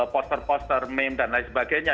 poster poster meme dan lain sebagainya